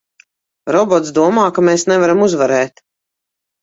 Robots domā, ka mēs nevaram uzvarēt!